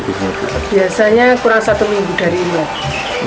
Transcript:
biasanya kurang satu minggu dari imlek